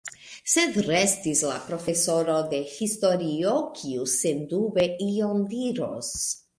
Sed restis la profesoro de historio, kiu sendube ion diros.